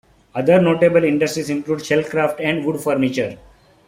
Other notable industries include shell craft and wood furniture.